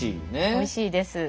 おいしいです。